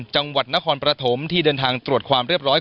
จังหวัดนครปฐมที่เดินทางตรวจความเรียบร้อย